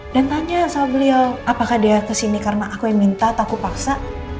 dan tanya sama beliau apakah dia kesini karena aku yang minta atau aku paksa